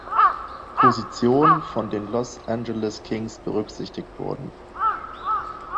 Position von den Los Angeles Kings berücksichtigt wurde.